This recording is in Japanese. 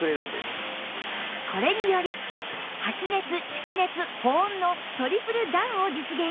これにより発熱蓄熱保温のトリプル暖を実現！